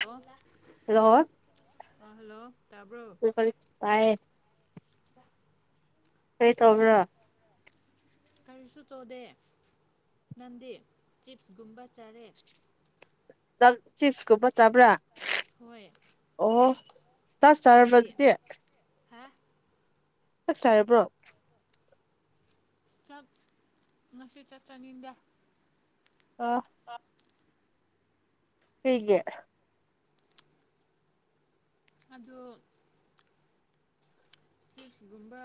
hello hello ꯑ hello ꯇꯥꯕ꯭ꯔꯣ ꯇꯥꯏꯌꯦ ꯀꯣꯏ ꯇꯕ꯭ꯔꯥ ꯀꯔꯤꯁꯨ ꯇꯧꯗꯦ ꯅꯪꯗꯤ ꯆꯤꯞꯁꯀꯨꯝꯕ ꯆꯥꯔꯦ ꯆꯤꯞꯁ ꯀ ꯄ ꯆꯥꯕ꯭ꯔꯥ ꯍꯣꯏ ꯑꯣ ꯇꯁ ꯅꯪꯗꯤ ꯆꯔꯕꯖꯗꯤꯦ ꯍꯥ ꯆꯥꯏꯦꯕ꯭ꯔꯣ ꯆꯠ ꯉꯁꯤꯦ ꯆꯠ ꯆꯅꯤꯗ ꯑ ꯊꯒꯦ ꯑ ꯆꯤꯞꯁꯒꯨꯝꯕ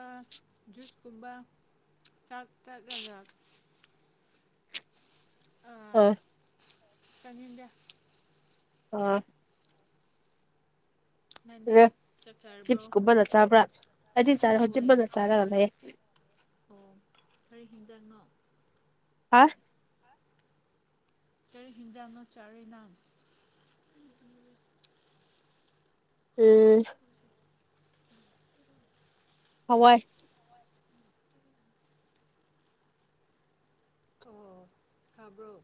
ꯖꯨꯁꯀꯨꯝꯕ ꯆꯥꯛ ꯆ ꯍꯖ ꯑꯥ ꯆꯅꯤꯗ ꯑꯥ ꯑꯗ ꯃꯗꯤ ꯆꯤꯞꯁꯀꯨꯝꯕꯅ ꯆꯥꯕ꯭ꯔꯥ ꯑꯩꯗꯤ ꯆꯥꯔ ꯍ ꯍꯣꯏ ꯆꯤꯞꯄꯅ ꯆꯥꯔꯒ ꯂꯩ ꯑꯣ ꯀꯔꯤ ꯍꯤꯟꯖꯥꯡꯅꯣ ꯍꯥ ꯀꯔꯤ ꯍꯤꯡꯖꯥꯡꯅ ꯆꯥꯔꯅꯥꯝ ꯎꯝ ꯍꯋꯥꯏ ꯑꯣ ꯍꯥꯏꯕ꯭ꯔꯣ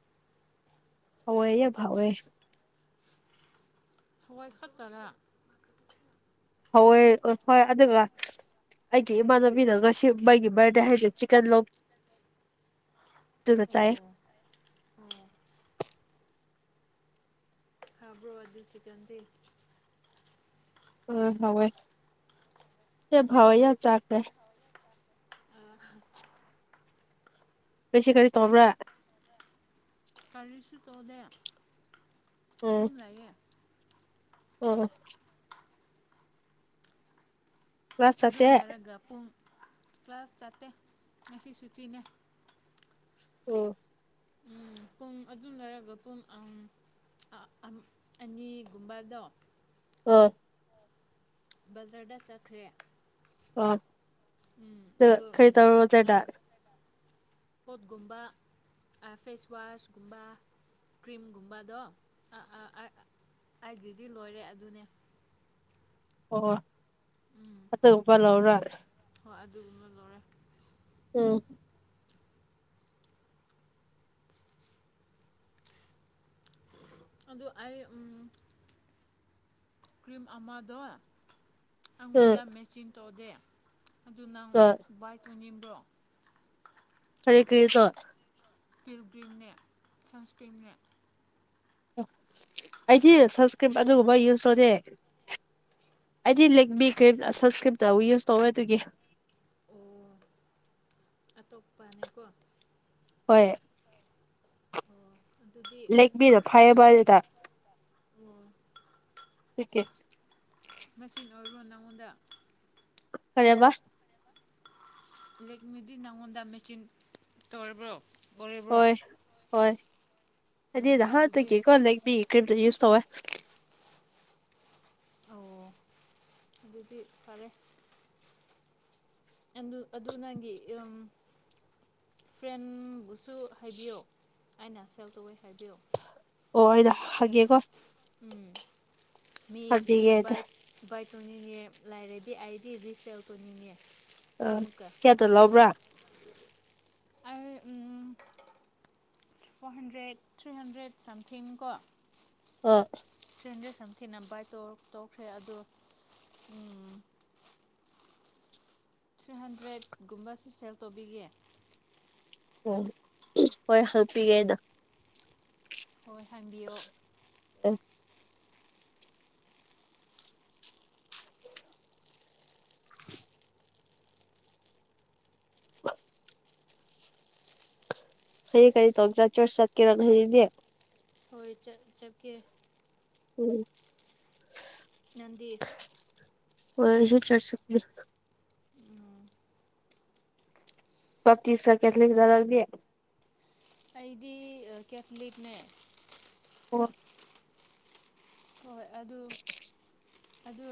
ꯍ ꯌꯥ ꯐꯥꯎꯦ ꯍꯋꯥꯏ ꯈꯆꯔ ꯍꯣꯏ ꯍꯣꯏ ꯑꯗꯨꯗ ꯑꯩꯒꯤ ꯏꯃꯥꯟꯅꯕꯤꯅ ꯉꯁꯤ ꯃꯒꯤ ꯕꯥꯔꯗꯦ ꯍꯥꯏꯁꯦ ꯆꯤꯛꯀꯟ ꯂꯣ ꯑꯗꯨꯒꯕ ꯆꯥꯏ ꯑꯣ ꯑꯣ ꯍꯥꯕ꯭ꯔꯣꯕꯥꯗꯤ ꯆꯤꯀꯟꯗꯤ ꯎꯝ ꯍꯋ ꯁ ꯍꯥꯎ ꯑꯣ ꯌꯥ ꯆꯥꯈꯦ ꯑ ꯦꯁ ꯀꯔꯔꯤ ꯇꯕ꯭ꯔ ꯀꯔꯤꯁꯨ ꯇꯣꯂꯦ ꯎꯝ ꯑꯗꯨꯝ ꯂꯩꯌꯦ ꯑꯣ ꯀ꯭ꯂꯥꯁ ꯑꯗꯨꯝ ꯆꯠꯇꯦ ꯂꯩꯔꯒ ꯄꯨꯡ ꯀ꯭ꯂ ꯀ꯭ꯂꯥꯁ ꯆꯇ ꯃꯁꯤ ꯁꯨꯇꯅꯦ ꯑꯣ ꯄꯨꯡ ꯑꯨꯝ ꯂꯩꯔꯒ ꯄꯨꯡ ꯑꯅꯤꯒꯨꯝꯕꯗꯣ ꯎꯝ ꯕꯖꯔꯗ ꯆꯠꯈ꯭ꯔꯦ ꯑꯣ ꯈꯔꯤ ꯇꯧꯔꯖꯦꯗ ꯄꯣꯠꯀꯨꯝꯕ ꯐꯦꯁ ꯋꯥꯁꯒꯨꯝꯕ ꯀ꯭ꯔꯤꯝꯒꯨꯝꯕꯗꯣ ꯑꯩꯒꯤꯗꯤ ꯂꯣꯏꯔꯦ ꯑꯗꯨꯅꯦ ꯑꯣ ꯎꯝ ꯑꯇꯄꯥ ꯂꯧꯔ ꯍꯣꯏ ꯑꯗꯨꯒꯃ ꯂꯧꯔꯦ ꯎꯝ ꯑꯗꯨꯣ ꯑꯩ ꯀ꯭ꯔꯤꯝ ꯑꯃꯗꯣ ꯎꯝ ꯑꯩꯉꯣꯟꯗ ꯃꯦꯆꯤꯟ ꯇꯧꯗꯦ ꯑꯗꯨ ꯅꯪ ꯍꯣꯏ ꯕꯥꯏꯛ ꯇꯨꯅꯤꯡꯕ꯭ꯔꯣ ꯐꯔꯦ ꯀꯔꯤꯁ ꯄꯤꯜꯒ꯭ꯔꯤꯝꯅꯦ ꯁꯟꯁꯀ꯭ꯔꯤꯝꯅꯦ ꯑꯩꯗꯤ ꯁꯟꯁꯀ꯭ꯔꯤꯞ ꯑꯗꯨꯒꯨꯝꯕ ꯌꯨꯁ ꯇꯔꯦ ꯑꯩꯗꯤ ꯂꯤꯛꯃꯤ ꯀ꯭ꯔꯤꯝ ꯁꯟꯁꯀ꯭ꯔꯤꯝꯇꯕꯨ ꯌꯨꯁ ꯇꯧꯋꯦ ꯑꯗꯨꯒꯤ ꯑꯣ ꯑꯇꯣꯞꯄꯅꯦꯀꯣ ꯍꯣꯏ ꯑꯣ ꯑꯗꯨꯗꯤ ꯂꯦꯛꯕꯤꯔꯣ ꯐꯩꯌꯦꯕ ꯑꯗꯨꯗꯀꯦ ꯑꯣ ꯃꯁꯤꯅ ꯑꯣꯏꯔꯣ ꯅꯪꯉꯣꯟꯗ ꯈꯔꯦꯕ ꯑꯦꯛꯅꯤꯗꯤ ꯅꯪꯉꯣꯟꯗ ꯃꯦꯆꯤꯟ ꯇꯧꯔꯤꯕ꯭ꯔꯣ ꯑꯣꯏꯔꯤꯕ꯭ꯔꯣ ꯍꯣꯏ ꯍꯣꯏ ꯑꯗꯨꯗꯤ ꯅ ꯍꯥꯇꯒꯤꯦ ꯀ ꯂꯩ ꯀ ꯁꯋ ꯑꯣ ꯑꯗꯨꯗꯤ ꯐꯔꯦ ꯑꯗꯨ ꯅꯪꯒꯤ ꯐ꯭ꯔꯦꯟꯕꯨꯁꯨ ꯍꯥꯏꯕꯤꯌꯣ ꯑꯩꯅ ꯁꯦꯜ ꯇꯧꯋꯦ ꯍꯥꯏꯕꯤꯌꯣ ꯑꯣ ꯑꯩꯗ ꯍꯥꯏꯦꯀꯣ ꯎꯝ ꯃ ꯍꯪꯕꯤꯒꯦꯗ ꯃꯏ ꯇꯧꯅꯤꯡꯉꯦ ꯂꯩꯥꯏꯔꯗꯤ ꯑꯩꯗꯤ ꯔꯤꯁꯦꯜ ꯇꯧꯅꯤꯡꯉꯦ ꯑ ꯀꯌꯥꯗ ꯂꯕ꯭ꯔꯥ ꯑ four hundred three hundred something ꯀꯣ ꯑ ꯇ꯭ꯔꯦꯟꯁꯦ ꯁꯝꯊꯤꯅ ꯕꯥꯏ ꯇꯧꯈ꯭ꯔꯦ ꯑꯗꯣ ꯊ꯭ꯔꯤ ꯍꯟꯗ꯭ꯔꯦꯠꯀꯨꯝꯕꯕꯁꯤ ꯁꯦꯜ ꯇꯧꯕꯤꯒꯦ ꯑꯣ ꯍꯣꯏ ꯍꯜꯄꯤꯒꯦꯗ ꯍꯣꯏ ꯍꯥꯡꯕꯤꯌꯣ ꯎ ꯀꯩ ꯀꯔꯤ ꯇ ꯆ꯭ꯔ ꯆꯆ ꯆꯠꯀꯤꯔ ꯅꯗꯦ ꯍꯣꯏ ꯆꯠꯀꯦ ꯎꯝ ꯅꯪꯗꯤ ꯍꯣꯏꯁꯨ ꯆꯠ ꯆꯦ ꯁ ꯆꯖ ꯀ ꯀꯦꯊꯂꯤ ꯔꯔꯗꯤ ꯑꯩꯗꯤ ꯀꯦꯊꯂꯤꯛꯅꯦ ꯑꯣ ꯍꯣꯏ ꯑꯗꯨ ꯑꯗꯨ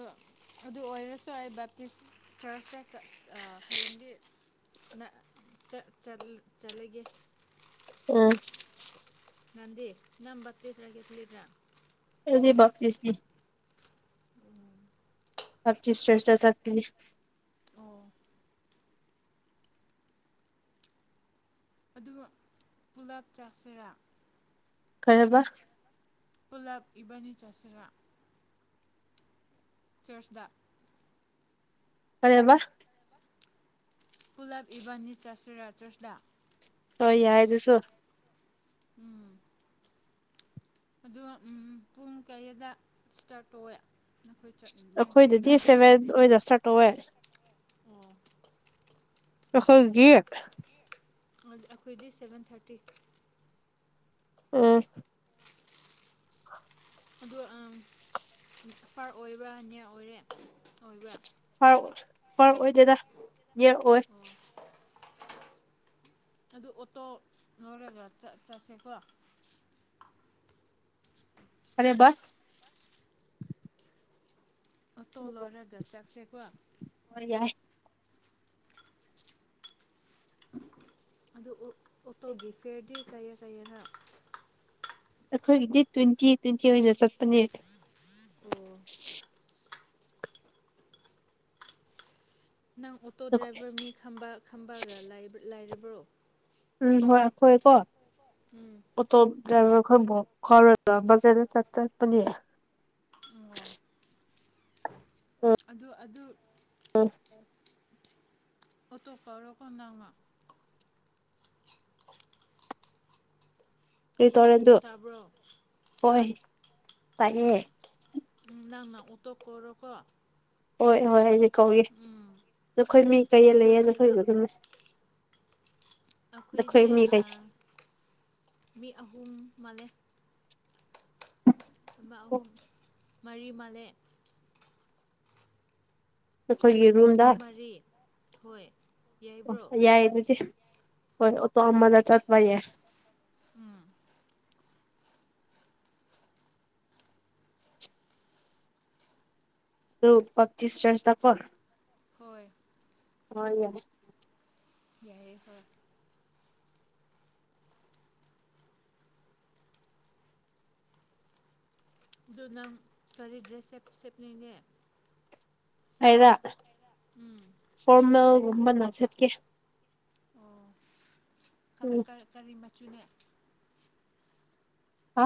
ꯑꯗꯨ ꯑꯣꯏꯔꯁꯨ ꯑꯩ ꯕꯦꯞꯇꯤꯁ ꯆꯔꯆꯇ ꯍꯌꯦꯡꯗꯤ ꯅ ꯆ ꯆ ꯆꯂꯦ ꯎꯝ ꯒꯥꯟꯙꯤ ꯅꯝꯕꯕꯇꯤꯁꯔꯒꯦ ꯊꯂꯤꯗ꯭ꯔꯥ ꯑꯦꯗꯤ ꯥꯛ ꯆꯁꯤꯗꯤ ꯑꯞ ꯆꯁ ꯆꯔ ꯆꯥ ꯆꯀꯤ ꯑꯣ ꯑꯗꯨꯒ ꯄꯨꯂꯥꯞ ꯆꯥꯁꯤꯔꯥ ꯀꯩꯕ ꯄꯨꯂꯞ ꯏꯕꯥꯅꯤ ꯆꯁꯤꯔꯥ ꯆꯆꯗ ꯀꯔꯦꯕ ꯀ ꯄꯨꯨꯂꯕ ꯏꯕꯥꯅꯤ ꯆꯁ ꯔꯥ ꯆꯁ ꯗ ꯍ ꯌꯥꯗꯁꯨꯣ ꯎꯝ ꯑꯗꯣ ꯄꯨꯡ ꯀꯌꯥꯗ ꯏꯁꯇꯥꯔꯠ ꯇꯧꯋꯦ ꯑꯩꯈꯣꯏꯗꯗꯤ ꯅꯈꯣꯏ ꯁꯦꯚꯦꯟ ꯆꯔꯆꯗꯤ ꯑꯣꯏꯅ ꯁꯠꯣꯛꯑꯦ ꯑꯣ ꯈꯣꯏꯒꯠ ꯑꯩꯈꯣꯏꯗꯤ ꯁꯚꯦꯟ ꯊꯥꯔꯇꯤ ꯎꯝ ꯑꯗꯨꯗ ꯑ [unintelligible] ꯐꯔ ꯑꯣꯏꯕ꯭ꯔꯥ ꯅꯤꯌꯥꯔ ꯑꯣꯏꯔꯦ ꯑꯣꯏꯕ꯭ꯔꯥ ꯔꯑꯣ ꯐꯔꯛꯑꯣꯏ ꯗꯦꯗꯥ ꯌꯦꯔꯛꯑꯣꯏ ꯑꯣ [unintelligible] ꯑꯗꯨ ꯑꯣꯇꯣ ꯅꯣꯏꯔꯒ ꯆꯠꯁꯦꯀꯣ ꯑꯔꯦꯕꯁ ꯑꯣꯇꯣ ꯂꯧꯔꯒ ꯆꯠꯁꯦꯀꯣ ꯍꯣꯏ ꯌꯥꯏ ꯑꯗꯨ ꯑꯣꯇꯣꯒꯤ ꯐꯤꯦꯌꯔꯗꯤ ꯀꯩꯌꯦ ꯀꯩꯒꯔꯥ ꯑꯩꯈꯣꯏꯒꯤ ꯗꯗꯤ ꯇ꯭ꯋꯦꯟꯇꯤ ꯇ꯭ꯋꯦꯟꯇꯤ ꯑꯣꯏꯅ ꯆꯠꯄꯅꯦ ꯑꯣ ꯅꯪ ꯑꯣꯇꯣ ꯑꯩꯈꯣꯏ ꯗ꯭ꯔꯥꯏꯚꯔ ꯃꯤ ꯈꯕꯥꯒ ꯂꯥꯏꯔꯕ꯭ꯔꯣ ꯎꯝ ꯍꯣꯏꯈꯣꯏ ꯀꯣ ꯎꯝ ꯀꯣ ꯑꯩꯈꯣꯏꯕꯨ ꯈꯥꯎꯔꯒ ꯖꯗ ꯆꯠ ꯆꯠꯄꯅꯦ ꯑꯗꯨꯗꯣ ꯑꯗꯨ ꯑꯣꯇꯣꯞꯀ ꯔꯣꯀꯟꯗꯥꯅ ꯔꯤꯇꯅꯦꯟꯗꯨ ꯇꯥꯕ꯭ꯔꯣ ꯍꯥ ꯍꯣꯏ ꯇꯥꯏꯌꯦꯦ ꯅꯪꯅ ꯑꯣꯇꯣꯛ ꯈꯣꯔꯣꯀꯣ ꯍꯣꯏ ꯍꯣꯏ ꯑꯩꯁ ꯀꯧꯏꯦ ꯅꯈꯣꯏ ꯎꯝ ꯃꯤ ꯀꯩ ꯑꯗꯨ ꯂꯩꯌꯦ ꯁꯟꯗꯦꯗ ꯅꯈꯣꯏꯗ ꯑꯗꯨꯝꯃꯦ ꯑꯩꯈꯣꯏꯗꯤ ꯃꯤ ꯑꯍꯨꯝ ꯃꯥꯜꯂꯦ ꯑꯃ ꯑꯍꯨꯝ ꯃꯔꯤ ꯃꯥꯂꯦ ꯑꯩꯈꯣꯏꯒꯤ ꯔꯨꯝꯗ ꯊꯣꯏ ꯑꯣ ꯌꯥꯏꯗꯤ ꯍꯣꯏ ꯇꯣ ꯑꯣ ꯑꯂ ꯆꯠ ꯋꯥꯏꯌꯦ ꯎꯝ ꯑꯗꯨ ꯄꯆꯆꯤꯁ ꯆꯔꯁꯥ ꯀꯣꯔ ꯍꯣꯏ ꯍꯣꯏ ꯌꯥꯏ ꯌꯥꯏꯦ ꯍꯣꯏ ꯑꯗꯨ ꯅꯪ ꯀꯔꯤ ꯗ꯭ꯔꯦꯁ ꯁꯦꯠꯅꯤꯡꯉꯦ ꯍꯥꯏꯗ ꯎꯝ ꯐꯣꯔꯃꯦꯜꯒꯨꯝꯕ ꯅꯅꯥꯆꯠꯀꯦ ꯑꯣ ꯎꯝ ꯀꯔꯤ ꯃꯆꯨꯅꯦ ꯑ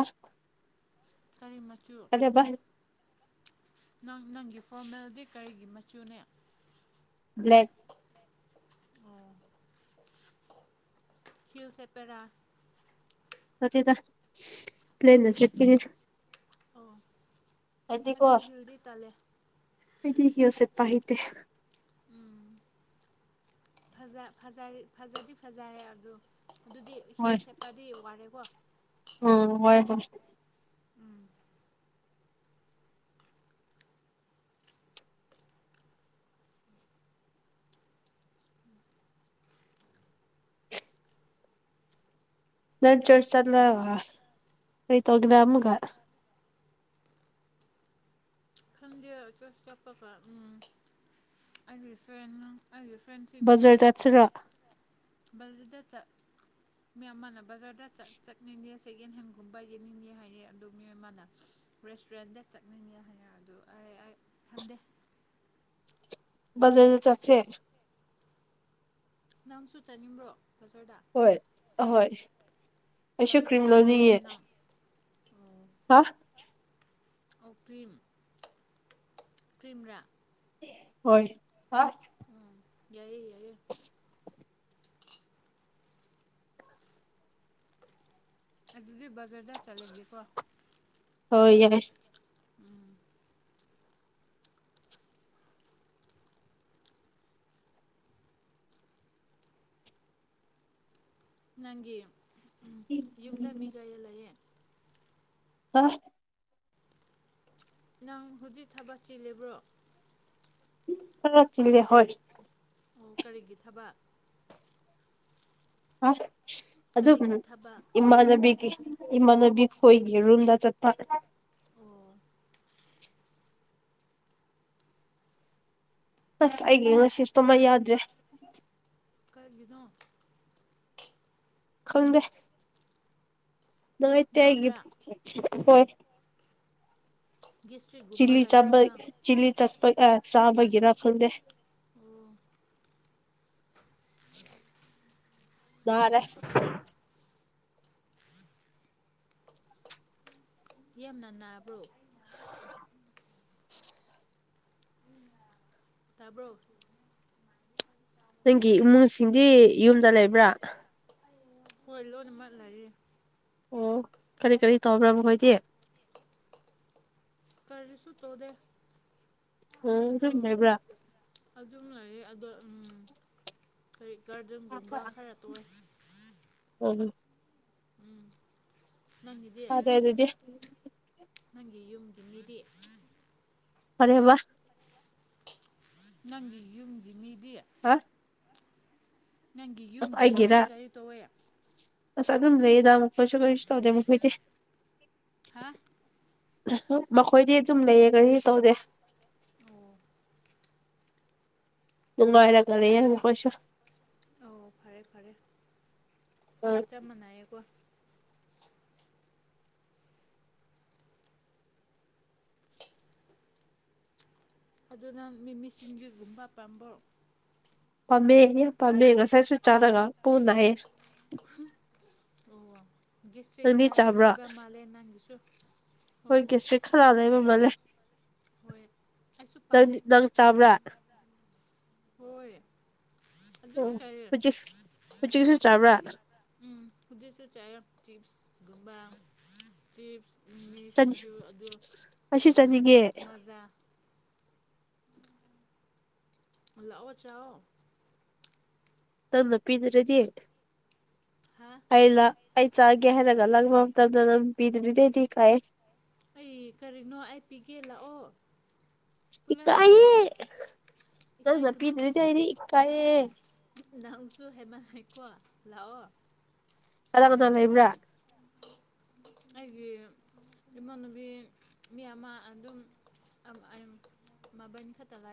ꯀꯔꯤꯃ ꯑꯂꯦ ꯏ ꯅꯪ ꯅꯪꯒꯤ ꯐꯣꯔꯃꯦꯜꯗꯤ ꯀꯔꯤꯒꯤ ꯃꯆꯨꯅꯦ ꯕ꯭ꯂꯦꯛ ꯑꯣ ꯍꯤꯜ ꯁꯦꯄꯦꯔꯥ ꯃꯗ ꯄ꯭ꯂ꯭ꯂꯦꯟ ꯑꯣ ꯑꯁꯨꯁꯨ ꯍꯤꯜꯗꯤꯇꯥꯂꯦ ꯑꯩꯗꯤ ꯀꯦꯞ ꯄꯍꯤꯗ ꯎꯝ ꯐ ꯐꯖꯗꯤ ꯐꯖꯔꯦ ꯑꯗꯨ ꯑꯗꯨꯗꯤ ꯍꯣꯏ ꯍꯤꯜ ꯁꯦꯞꯀꯗꯤ ꯋꯥꯔꯦꯀꯣ ꯎꯝ ꯋꯥꯣꯏ ꯇ ꯎꯝ ꯅꯥꯟ ꯆꯁꯜ ꯑꯩꯣꯏꯇꯒꯕ ꯑꯃꯒ [inaudible] ꯁꯟꯗꯦ ꯆꯁ ꯆꯠꯞꯄꯗ ꯎ ꯑꯩꯒꯤ ꯐ꯭ꯔꯦꯟꯅ ꯑꯩꯒꯤ ꯐ꯭ꯔꯦꯟꯁꯤꯡꯅ ꯕꯖꯥꯔ ꯍꯥꯏꯌꯦ ꯆꯠꯁꯤꯔꯣ ꯕꯜꯁꯤꯗ ꯆꯠ ꯃꯤ ꯑꯃꯅ ꯕꯖꯔꯗ ꯆ ꯆꯠꯅꯤꯡꯁ ꯁꯦꯀꯦꯟ ꯍꯦꯟꯒꯨꯝꯕ ꯌꯦꯡꯅꯤꯡꯉꯦ ꯍꯥꯏꯌꯦ ꯑꯗꯨ ꯃꯤꯑꯣꯏ ꯑꯃꯅ ꯔꯦꯁꯇꯨꯔꯦꯟꯗ ꯆꯠꯅꯤꯡꯉꯦ ꯍꯥꯏꯌꯦ ꯑꯗꯣ ꯈꯗꯦ ꯖꯔꯦ ꯆꯁꯦ ꯅꯪꯁꯨ ꯆꯠꯅꯤꯡꯕ꯭ꯔꯣ ꯕꯖꯥꯔꯗ ꯍꯣꯏ ꯑꯍꯣꯏ ꯑꯩꯁꯨ ꯀꯔꯤ ꯀ꯭ꯔꯤꯝ ꯊꯕꯛ ꯂꯩꯌꯦ ꯂꯧꯅꯤꯡꯉꯦ ꯅꯪ ꯍꯥ ꯑꯣ ꯀ꯭ꯔꯤ ꯀ꯭ꯔꯤꯝ ꯔ ꯍꯣꯏ ꯑꯁ ꯌꯥꯏ ꯌꯥ [inaudible] [inaudible] ꯑꯗꯨꯗꯤ ꯖꯔꯗ ꯆꯂꯗꯤꯀ ꯍ ꯌꯥꯏ ꯎꯝ ꯅꯪꯒꯤ ꯌꯨꯝꯗ ꯃꯤꯒꯥꯏꯌꯦꯜꯂꯌꯦꯦ ꯑꯐ ꯅꯪ ꯍꯧꯖꯤꯛ ꯊꯕꯛ ꯆꯤꯜꯂꯤꯕ꯭ꯔꯣ ꯐꯔꯗꯦ ꯍꯣꯏ ꯑꯣ ꯀꯔꯤꯒꯤ ꯊꯕꯛ ꯑ ꯑꯗꯨꯗ ꯀꯔꯤꯒꯤ ꯊꯕꯛ ꯏꯃꯅꯕꯒꯤ ꯏꯃꯥꯅꯕꯤ ꯍꯣꯏꯒꯤ ꯔꯨꯝꯝꯗ ꯆꯠꯄ ꯑꯣ ꯑꯁ ꯑꯩꯒꯤ ꯉꯁꯤꯁꯨꯇ ꯃ ꯌꯥꯗ꯭ꯔꯦ ꯀꯒꯤꯅꯣ ꯈꯪꯗꯦ ꯅꯥꯏ ꯇ ꯍꯥꯏꯒꯤ ꯅꯥꯕ꯭ꯔꯥ ꯍꯣꯏ [inaudible] ꯒꯦꯁꯇ꯭ꯔꯤꯛꯒꯨꯝꯕ ꯆꯤꯂꯤ ꯂꯩꯕ꯭ꯔꯣ ꯆꯕ ꯅꯪ ꯆꯤ ꯆꯄ ꯑ ꯆꯕꯒꯤ ꯒꯤꯔ ꯐꯨꯜꯗꯦ ꯑꯣ ꯔꯦ ꯌꯥꯝꯅ ꯅꯥꯕ꯭ꯔꯣ [inaudible] ꯇꯥꯕ꯭ꯔꯣ ꯅꯪꯒꯤ ꯏꯃꯨꯡꯁꯤꯡꯗꯤ ꯌꯨꯝꯗ ꯂꯩꯕ꯭ꯔꯥ ꯍꯣꯏ ꯂꯣꯏꯅ ꯃꯜꯂꯌꯦꯦ ꯑꯣ ꯀꯔꯤ ꯀꯔꯤ ꯇꯧꯕ꯭ꯔꯕꯈꯣꯏꯗꯤ ꯀꯔꯤꯁꯨ ꯇꯣꯗ ꯑ ꯑꯗꯨꯝ ꯅꯥꯏꯕ꯭ꯔꯥ ꯑꯗꯨꯝ ꯂꯩꯔ ꯑꯗꯣ ꯎꯝ ꯀꯔꯤꯛ ꯒꯥꯔꯗꯦꯟꯒꯨꯝꯕ ꯈꯔ ꯇ ꯑꯣꯏ ꯎꯝ ꯅꯪꯒꯤꯗꯤ ꯑꯗ ꯑꯗꯨꯗꯤ ꯅꯪꯒꯤ ꯌꯨꯝꯒꯤ ꯃꯤꯗꯤ ꯐꯔꯦꯕ ꯅꯪꯒꯤ ꯌꯨꯝꯒꯤ ꯃꯤꯗꯤ ꯍꯥ ꯅꯪꯒꯤ ꯌꯨꯝꯒꯤ ꯃꯤꯗꯤ ꯑꯩꯒꯤꯔ ꯀꯔꯤ ꯇꯧꯋꯦ ꯑꯁ ꯑꯗꯨꯝ ꯂꯩꯌꯦꯗ ꯑꯃꯨꯛ ꯀꯁꯨ ꯀꯩꯁꯨ ꯇꯧꯗꯦ ꯑꯃꯨꯛ ꯍꯣꯏꯗꯤ ꯍꯥ ꯃꯈꯣꯏꯗꯤ ꯑꯗꯨꯝ ꯂꯩꯌꯦ ꯀꯔꯤ ꯇꯧꯗꯦ ꯑꯣ ꯃꯅꯨꯡꯉꯥꯏꯔ ꯀꯗ ꯌꯥꯅ ꯀꯁ ꯑ ꯐꯔꯦ ꯐꯔꯦ ꯑ ꯆꯞ ꯃꯥꯟꯅꯏꯌꯦꯀꯣ ꯑꯗꯨꯅ ꯃꯤꯃꯤꯁꯤꯡꯒꯤꯖꯒꯨꯝꯕ ꯄꯥꯝꯕ ꯄꯥꯝꯃꯦ ꯄꯝꯃꯦ ꯉꯁꯥꯏ ꯁ ꯆꯥꯗꯒ ꯄꯨꯅꯑ ꯑꯣ ꯒꯦꯁꯇ꯭ꯔꯤꯠ ꯅꯪꯗꯤ ꯂꯥꯏꯕ ꯃꯥꯜꯂꯦ ꯅꯪꯒꯤꯁꯨ ꯍꯣꯏ ꯍꯣꯏꯒꯤꯦꯁ ꯈꯔ ꯂꯩ ꯃꯃꯜꯂꯦ ꯍꯣꯏ ꯑꯩꯁꯨ ꯅꯪꯗꯤ ꯄꯥꯝꯃꯦ ꯅꯪ ꯆꯥꯕ꯭ꯔꯥ ꯍꯣꯏ ꯑꯣ ꯑꯗꯨꯝ ꯍꯧ ꯆꯥꯏꯌꯦ ꯎꯆ ꯍꯧ ꯎꯆ ꯎꯆꯒꯤꯁꯨ ꯆꯥꯕ꯭ꯔꯥꯗ ꯍꯧꯗꯤꯁꯨ ꯆꯥꯦ ꯆꯤꯞꯁ ꯒꯕꯥ ꯆꯤꯞꯁ ꯃꯤ ꯆꯥꯅꯤꯡ ꯁꯤꯡꯖꯨ ꯑꯩꯁꯨ ꯑ ꯆꯥꯅꯤꯡꯉꯦ ꯃꯖꯥ ꯂꯥꯛ ꯑꯣꯥꯎ ꯆ ꯅꯅ ꯄꯤꯗ꯭ꯔꯗꯤ ꯍꯥ ꯑꯩꯩꯅ ꯑꯩ ꯆꯥꯒꯦ ꯍꯥꯏꯔꯛ ꯂ ꯃꯇꯝ ꯄꯤꯗ ꯊ ꯀꯥꯏ ꯑꯩ ꯀꯔꯤꯅꯣ ꯑꯩ ꯄꯤꯒꯦ ꯂꯥꯛꯑꯣ ꯄꯨꯂꯞ ꯆꯥꯁꯦ ꯏꯀꯥꯏꯌꯦꯦ ꯅꯪꯅ ꯏꯀꯥꯏꯒꯅꯨ ꯄꯤꯗꯅꯔꯤ ꯏꯀꯥꯏꯌꯦ ꯅꯪꯁꯨ ꯍꯦꯃꯜꯏꯀꯣ ꯂꯥꯛꯑꯣ ꯀꯗꯥꯏ ꯀꯗꯥ ꯂꯩꯕ꯭ꯔꯥ ꯑꯩꯒꯤ ꯏꯃꯥꯟꯅꯨꯕꯤ ꯃꯤ ꯑꯃ ꯑꯗꯨꯝ ꯑꯟ ꯈ ꯇꯒꯥꯏ